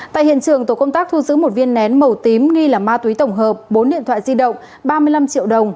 tại hiện trường tổ công tác thu giữ một viên nén màu tím nghi là ma túy tổng hợp bốn điện thoại di động ba mươi năm triệu đồng